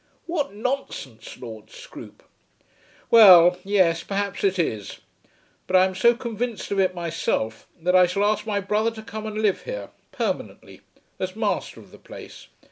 "What nonsense, Lord Scroope." "Well; yes; perhaps it is. But I am so convinced of it myself that I shall ask my brother to come and live here permanently, as master of the place.